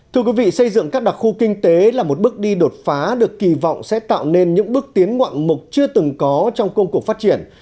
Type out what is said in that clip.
thưa quý vị xây dựng các đặc khu kinh tế là một bước đi đột phá được kỳ vọng sẽ tạo nên những bước tiến ngoạn mục chưa từng có trong công cuộc phát triển